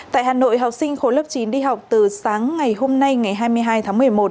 tại hà nội học sinh khối lớp chín đi học từ sáng ngày hôm nay ngày hai mươi hai tháng một mươi một